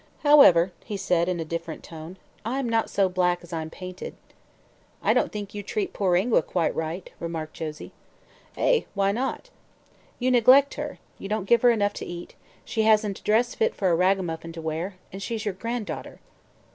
"However," said he in a different tone, "I am not so black as I'm painted." "I don't think you treat poor Ingua quite right," remarked Josie. "Eh? Why not?" "You neglect her; you don't give her enough to eat; she hasn't a dress fit for a ragamuffin to wear. And she's your granddaughter."